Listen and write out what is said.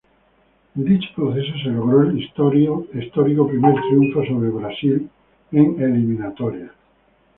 En dicho proceso se logró el histórico primer triunfo sobre Brasil en eliminatorias.